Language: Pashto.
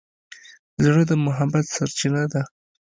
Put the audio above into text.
زړه د محبت سرچینه ده.